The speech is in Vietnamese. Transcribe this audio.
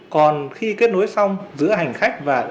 còn khi kết nối xong giữa hành khách và